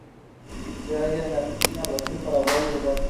Se halla en Argentina, Brasil, Paraguay, Uruguay.